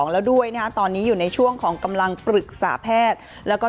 แล้วด้วยนะฮะตอนนี้อยู่ในช่วงของกำลังปรึกษาแพทย์แล้วก็